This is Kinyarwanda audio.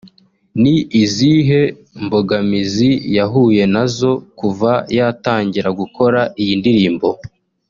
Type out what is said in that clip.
ni izihe mbogamizi yahuye na zo kuva yatangira gukora iyi ndirimbo